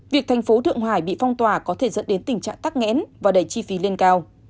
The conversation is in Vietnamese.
việc thành phố thượng hải bị phong tỏa có thể dẫn đến tình trạng tắc nghẽn và đẩy chi phí lên cao